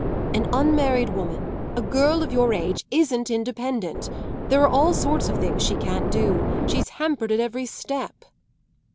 "An unmarried woman a girl of your age isn't independent. There are all sorts of things she can't do. She's hampered at every step."